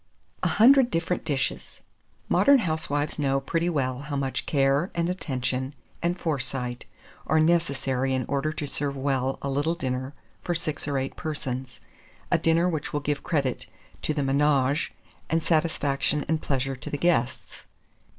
A HUNDRED DIFFERENT DISHES. Modern housewives know pretty well how much care, and attention, and foresight are necessary in order to serve well a little dinner for six or eight persons, a dinner which will give credit to the ménage, and satisfaction and pleasure to the guests.